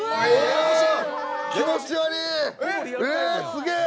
すげえ！